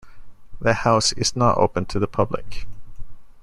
The house is not open to the public.